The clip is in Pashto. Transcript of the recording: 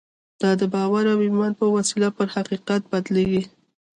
دا د باور او ایمان په وسیله پر حقیقت بدلېږي